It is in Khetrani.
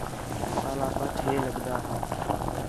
پاہلا پٹ ہے لڳدا ہا